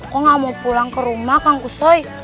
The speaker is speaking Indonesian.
kok gak mau pulang ke rumah kang kusoy